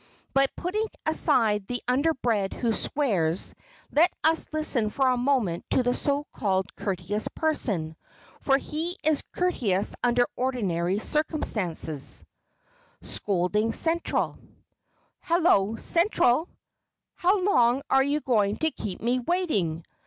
But putting aside the underbred who swears, let us listen for a moment to the so called courteous person,—for he is courteous under ordinary circumstances: [Sidenote: SCOLDING CENTRAL] "Hello! Central! how long are you going to keep me waiting?